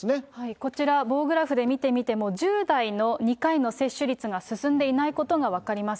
こちら、棒グラフで見てみても、１０代の２回の接種率が進んでいないことが分かります。